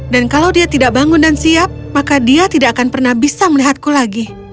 dan kalau dia tidak bangun dan siap maka dia tidak akan pernah bisa melihatku lagi